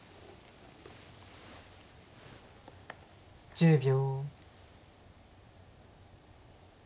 １０秒。